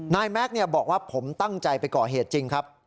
แม็กซ์บอกว่าผมตั้งใจไปก่อเหตุจริงครับ